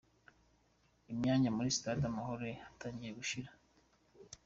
Imyanya muri Stade Amahoro yatangiye gushira.